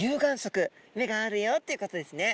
目があるよっていうことですね。